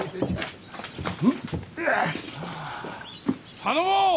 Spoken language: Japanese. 頼もう！